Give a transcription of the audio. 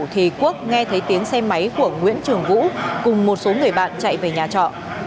thì quốc nghe thấy tiếng xe máy của nguyễn trường vũ cùng một số người bạn chạy về nhà trọ